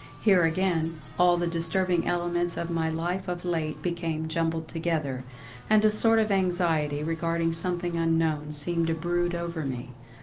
Here again, all the disturbing elements of my life of late became jumbled together; and a sort of anxiety regarding something unknown seemed to brood over me.